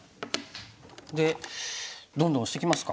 でどんどんオシてきますか。